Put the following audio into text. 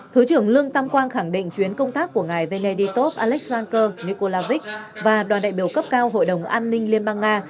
thứ trưởng lương tam quang khẳng định chuyến công tác của ngài veneditov aleksandr nikolaevich và đoàn đại biểu cấp cao hội đồng an ninh liên bang nga